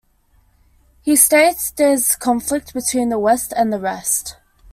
He states there is conflict between the West and the Rest.